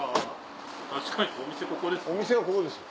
確かにお店ここですね。